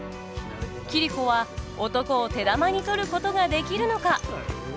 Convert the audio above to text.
桐子は男を手玉に取ることができるのか？